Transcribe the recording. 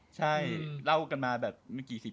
ใช่เล่ากันมาแบบไม่กี่สิบ